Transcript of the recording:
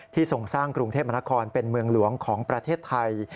ทรงสร้างกรุงเทพมนครเป็นเมืองหลวงของประเทศไทย